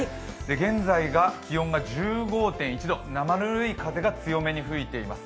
現在が気温が１５．１度、生ぬるい風が強めに吹いています。